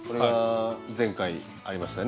前回ありましたね